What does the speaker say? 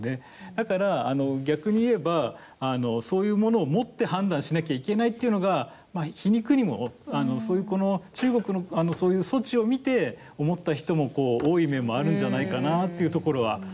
だから、逆に言えばそういうものをもって判断しなきゃいけないというのが皮肉にも、中国のそういう措置を見て思った人も多い面もあるんじゃないかなっていうところはありますね。